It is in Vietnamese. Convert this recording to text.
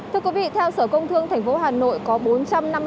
thưa quý vị theo sở công thương thành phố hà nội